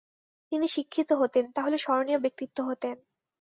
তিনি শিক্ষিত হতেন, তাহলে স্মরণীয় ব্যক্তিত্ব হতেন।